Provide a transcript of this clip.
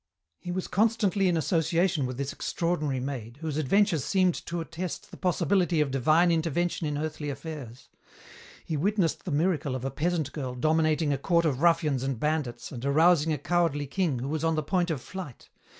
"He was constantly in association with this extraordinary maid whose adventures seemed to attest the possibility of divine intervention in earthly affairs. He witnessed the miracle of a peasant girl dominating a court of ruffians and bandits and arousing a cowardly king who was on the point of flight.